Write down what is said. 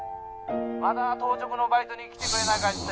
「また当直のバイトに来てくれないかって」